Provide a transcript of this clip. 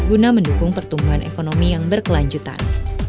guna mendukung pertumbuhan ekonomi yang berkelanjutan